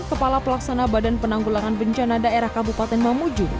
kepala pelaksana badan penanggulangan bencana daerah kabupaten mamuju